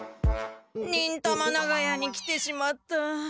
忍たま長屋に来てしまった。